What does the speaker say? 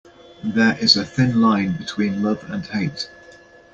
There is a thin line between love and hate.